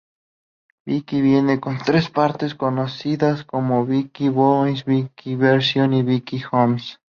Bixby viene con tres partes, conocidas como Bixby Voice, Bixby Vision y Bixby Home.